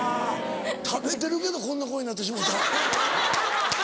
食べてるけどこんな声になってしもうた。